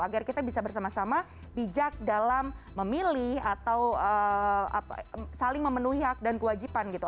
agar kita bisa bersama sama bijak dalam memilih atau saling memenuhi hak dan kewajiban gitu